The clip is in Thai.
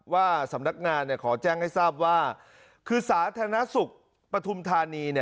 ว่าสำนักงานขอแจ้งให้ทราบว่าคือสาธารณสุขปฐุมธานี